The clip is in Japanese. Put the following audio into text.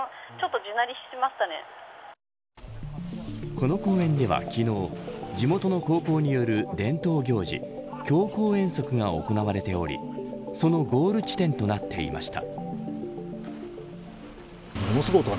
この公園では昨日地元の高校による伝統行事強行遠足が行われておりそのゴール地点となっていました。